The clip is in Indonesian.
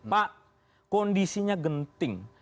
pak kondisinya genting